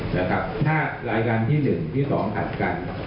แต่ครับถ้ารายการที่หนึ่งที่สองผลัดกัน